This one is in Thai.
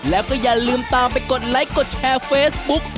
แล้วก็อย่าลืมตามไปกดไลค์กดแชร์เฟซบุ๊ก